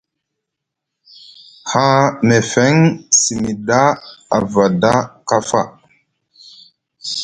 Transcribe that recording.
Haa mefeŋ simi ɗa a fada kafa.